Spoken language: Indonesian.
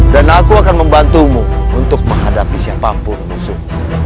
dan aku akan membantumu untuk menghadapi siapapun musuh